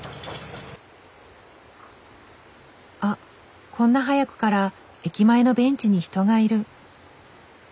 あっこんな早くから駅前のベンチに人がいる。